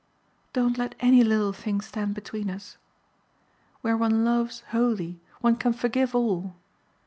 Don't let any little thing stand between us. Where one loves wholly one can forgive all.